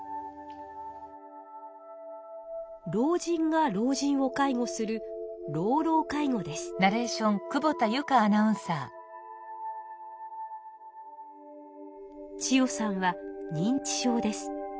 老人が老人を介護する千代さんは認知症です。